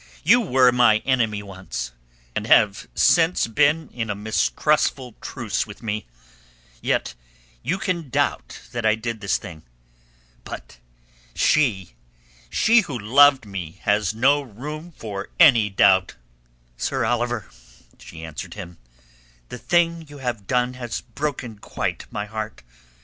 You were my enemy once, and have since been in a mistrustful truce with me, yet you can doubt that I did this thing. But she... she who loved me has no room for any doubt!" "Sir Oliver," she answered him, "the thing you have done has broken quite my heart.